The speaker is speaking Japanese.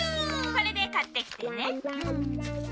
これで買ってきてね。